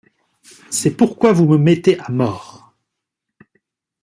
C'est pourquoi vous me mettez à mort.